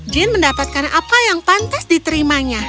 jin mendapatkan apa yang pantas diterimanya